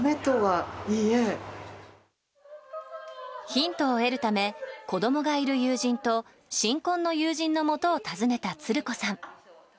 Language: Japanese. ヒントを得るため子供がいる友人と新婚の友人のもとを訪ねたつる子さん。